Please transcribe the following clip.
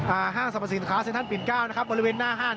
อ่าห้างสรรพสินค้าเซนทรัลปิดเก้านะครับบริเวณหน้าห้านนะครับ